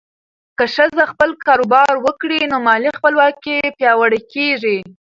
که ښځه خپل کاروبار وکړي، نو مالي خپلواکي پیاوړې کېږي.